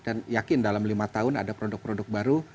dan yakin dalam lima tahun ada produk produk baru